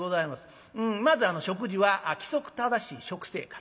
まず食事は規則正しい食生活。